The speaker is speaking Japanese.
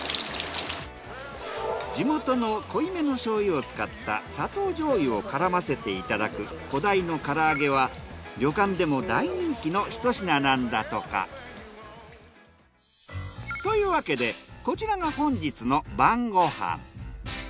地元の濃いめの醤油を使った砂糖醤油を絡ませていただくコダイの唐揚げは旅館でも大人気のひと品なんだとか。というわけでこちらが本日の晩ご飯。